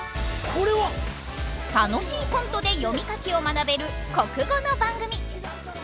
楽しいコントで読み書きを学べる国語の番組